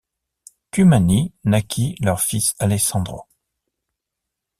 Cumani naquit leur fils Alessandro.